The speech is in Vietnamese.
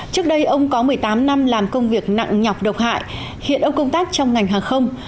trước đây ông có một mươi tám năm làm công việc nặng nhọc độc hại hiện ông công tác trong ngành hàng không